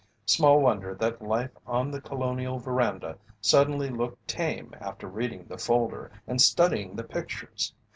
Small wonder that life on The Colonial veranda suddenly looked tame after reading the folder and studying the pictures!